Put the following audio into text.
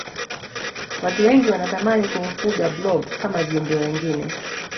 watu wengi wanatamani kumfuga blob kama viumbe wengine